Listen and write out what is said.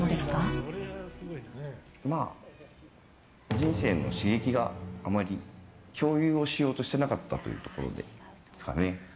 人生の刺激をあまり共有をしようとしてなかったというところですかね。